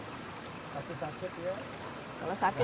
masuk sakit ya